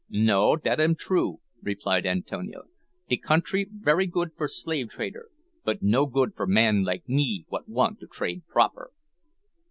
"No, dat am true," replied Antonio; "de country very good for slave trader, but no good for man like me what want to trade proper."